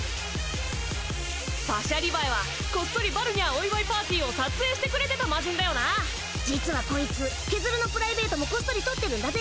パシャリバエはこっそりバルニャーお祝いパーティを撮影してくれてたマジンだよな実はコイツケズルのプライベートもこっそり撮ってるんだぜ！